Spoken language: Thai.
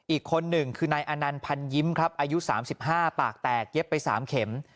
อีกคนหนึ่งคือนายอนันต์พันยิ้มครับอายุ๓๕ปากแตกเย็บไป๓เข็ม